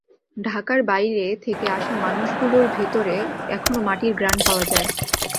ঢাকার বাইরে থেকে আসা মানুষগুলোর ভেতরে এখনো মাটির ঘ্রাণ পাওয়া যায়।